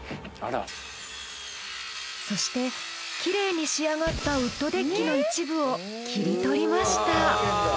そしてきれいに仕上がったウッドデッキの一部を切り取りました。